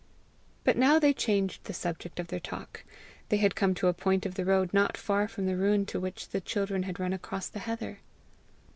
But now they changed the subject of their talk. They had come to a point of the road not far from the ruin to which the children had run across the heather.